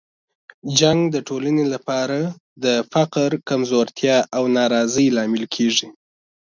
جنګ د ټولنې لپاره د فقر، کمزورتیا او ناراضۍ لامل کیږي.